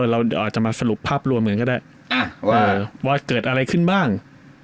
เราอาจจะมาสรุปภาพรวมกันก็ได้ว่าเกิดอะไรขึ้นบ้าง